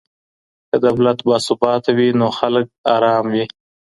که دولت باثباته وي نو خلګ ارامه وي.